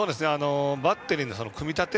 バッテリーの組み立て。